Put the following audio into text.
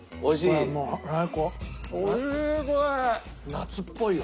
夏っぽいよ。